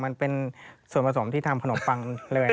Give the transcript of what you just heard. มันเป็นส่วนผสมที่ทำขนมปังเลย